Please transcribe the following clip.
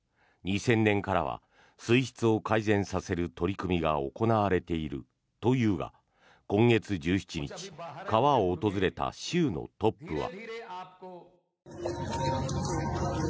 ２０００年からは水質を改善させる取り組みが行われているというが今月１７日川を訪れた州のトップは。